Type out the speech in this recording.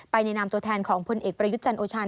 ในนามตัวแทนของพลเอกประยุทธ์จันโอชา